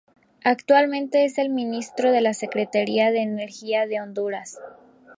Actualmente es el Ministro de la Secretaría de Energía de Honduras.